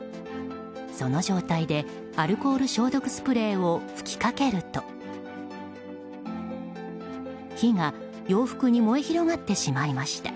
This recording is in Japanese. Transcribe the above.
その状態でアルコール消毒スプレーを吹きかけると火が洋服に燃え広がってしまいました。